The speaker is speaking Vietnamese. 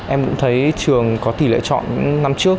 em cũng thấy trường có tỷ lệ chọn năm trước